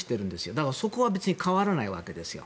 だからそこは別に変わらないわけですよ。